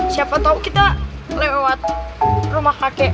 siapa tahu kita lewat rumah kakek